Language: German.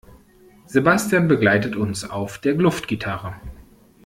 Sebastian begleitet uns auf der Luftgitarre.